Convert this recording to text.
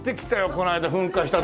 この間噴火したとこ。